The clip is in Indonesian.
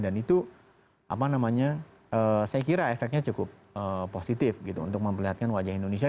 dan itu saya kira efeknya cukup positif untuk memperlihatkan wajah indonesia